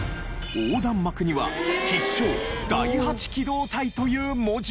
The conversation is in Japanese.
横断幕には「必勝第八機動隊」という文字が。